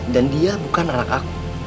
dan dia bukan anak aku